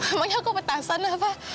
emangnya aku petasan apa